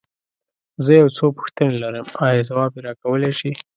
زه يو څو پوښتنې لرم، ايا ځواب يې راکولی شې؟